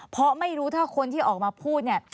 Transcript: เพราะไม่รู้ถ้าคนที่ออกมาพูดเนี่ย